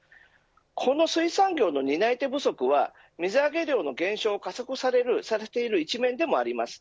この水産業の担い手不足は水揚げ量の減少を加速させている一例でもあります。